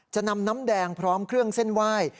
จะนำน้ำแดงพร้อมเครื่องเส้นไหว้